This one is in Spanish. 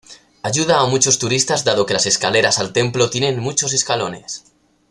Ayuda a muchos turistas dado que las escaleras al templo tienen muchos escalones.